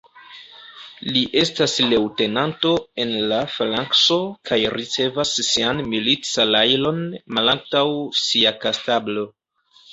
Li estas leŭtenanto en la _falankso_ kaj ricevas sian milit-salajron malantaŭ sia kastablo.